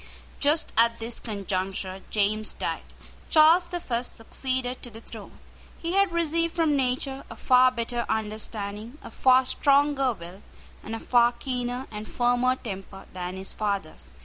Just at this conjuncture James died. Charles the First succeeded to the throne. He had received from nature a far better understanding, a far stronger will, and a far keener and firmer temper than his father's.